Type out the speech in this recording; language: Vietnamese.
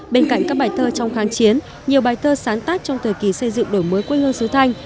bên cạnh các bài thơ trong kháng chiến nhiều bài thơ sáng tác trong thời kỳ xây dựng đổi mới quê hương sứ thanh